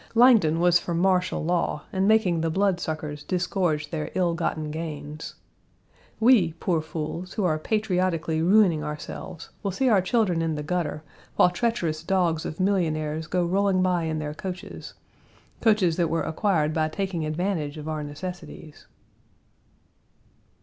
Langdon was for martial law and making the bloodsuckers disgorge their ill gotten gains. We, poor fools, who are patriotically ruining ourselves will see our children in the gutter while treacherous dogs of millionaires go rolling by in their coaches coaches that were acquired by taking advantage of our necessities.